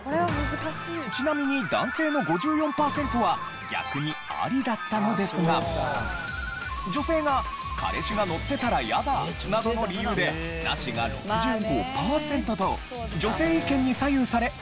ちなみに男性の５４パーセントは逆にアリだったのですが女性が「彼氏が乗ってたら嫌だ」などの理由でナシが６５パーセントと女性意見に左右されナシとなりました。